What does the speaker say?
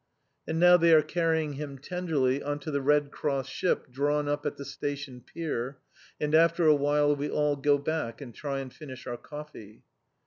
And now they are carrying him tenderly on to the Red Cross ship drawn up at the station pier, and after a while we all go back and try and finish our coffee.